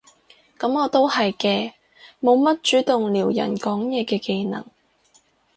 噉我都係嘅，冇乜主動撩人講嘢嘅技能